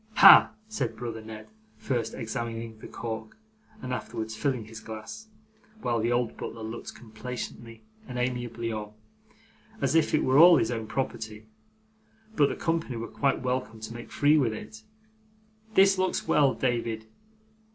'Ha!' said brother Ned, first examining the cork and afterwards filling his glass, while the old butler looked complacently and amiably on, as if it were all his own property, but the company were quite welcome to make free with it, 'this looks well, David.